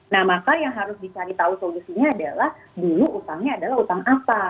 nah maka yang harus dicari tahu solusinya adalah dulu utangnya adalah utang apa